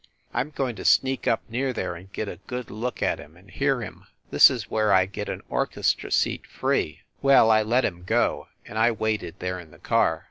I m going to sneak up near there and get a good look at him and hear him. This is where I get an orchestra seat free!" Well, I let him go, and I waited there in the car.